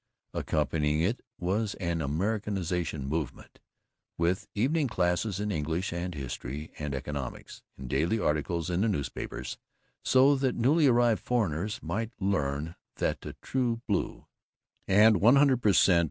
Accompanying it was an Americanization Movement, with evening classes in English and history and economics, and daily articles in the newspapers, so that newly arrived foreigners might learn that the true blue and one hundred per cent.